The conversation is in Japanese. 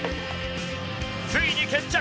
ついに決着！